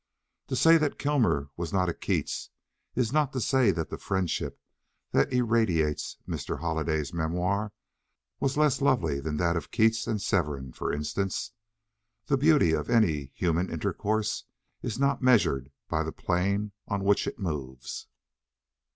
To say that Kilmer was not a Keats is not to say that the friendship that irradiates Mr. Holliday's memoir was less lovely than that of Keats and Severn, for instance. The beauty of any human intercourse is not measured by the plane on which it moves.